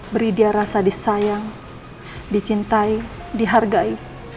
beri dia rasa disayang dicintai dihargai